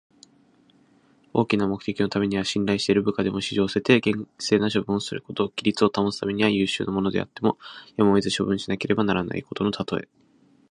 大きな目的のためには信頼している部下でも、私情を捨てて、厳正な処分をすること。規律を保つためには、優秀な者であってもやむを得ず処罰しなければならないことのたとえ。「馬謖」は中国の三国時代の人の名前。「泣いて馬謖を斬る」とも読み、この形で使うことが多い言葉。